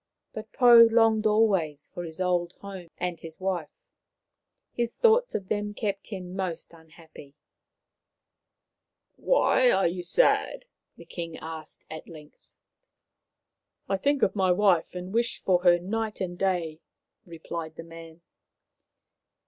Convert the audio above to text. But Pou longed always for his old home and his wife. His thoughts of them kept him most unhappy. " Why are you sad ?" the king asked at length. 217 218 Maoriland Fairy Tales " I think of my wife and wish for her night and day," replied the man.